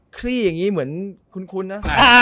คลี่อย่างนี้เหมือนคุ้นนะ